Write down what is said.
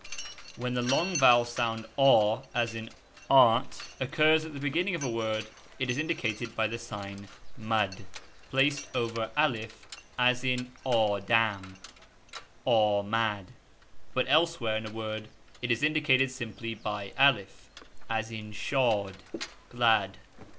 When the long vowel sound a, as in art, occurs at the beginning of a word it is indicated by the sign (~) madd, placed over I as in +*\ adam, 3 dmad, but elsewhere in a word it is indicated simply by 1 as in .ili shad (glad).